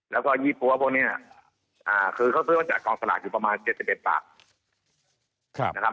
แล้วก็ยี่ปั้วพวกนี้คือเค้าซื้อว่าจากกองสลากอยู่ประมาณ๗๑บาท